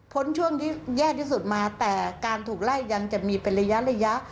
ช่วงที่แย่ที่สุดมาแต่การถูกไล่ยังจะมีเป็นระยะ